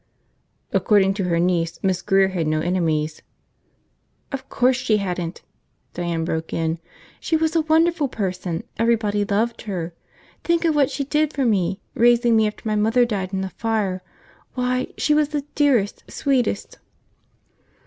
"According to her niece, Miss Grear had no enemies." "Of course she hadn't!" Diane broke in. "She was a wonderful person! Everybody loved her. Think of what she did for me, raising me after my mother died in the fire! Why, she was the dearest, sweetest